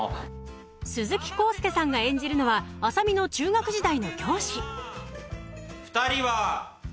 鈴木浩介さんが演じるのは麻美の中学時代の教師２人は。